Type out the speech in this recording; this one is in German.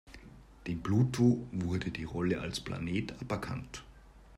Dem Pluto wurde die Rolle als Planet aberkannt.